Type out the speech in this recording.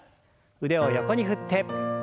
腕を横に振って。